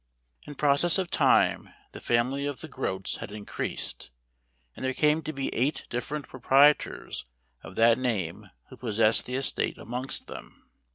In process of time the fa¬ mily of the Groats had increased, and there came to be eight different proprietors of that name who possessed the estate amongst them.